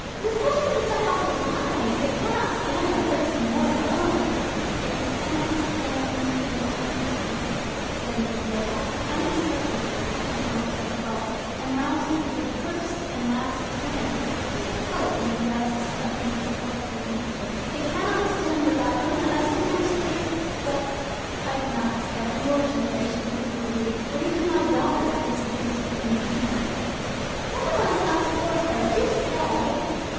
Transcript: "Discussion keeps a house alive. It cannot stand by bricks and mortar alone." "It cannot stand without them," said Mrs. Wilcox, unexpectedly catching on to the thought, and rousing, for the first and last time, a faint hope in the breasts of the delightful people. "It cannot stand without them, and I sometimes think But I cannot expect your generation to agree, for even my daughter disagrees with me here." "Never mind us or her. Do say!"